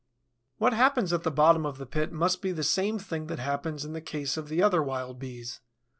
What happens at the bottom of the pit must be the same thing that happens in the case of the other Wild Bees.